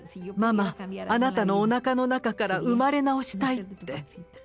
「ママあなたのおなかの中から生まれ直したい」って。